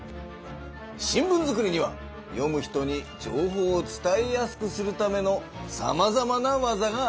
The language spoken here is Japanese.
新聞作りには読む人に情報を伝えやすくするためのさまざまな技がある。